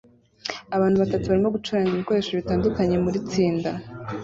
Abantu batanu barimo gucuranga ibikoresho bitandukanye muritsinda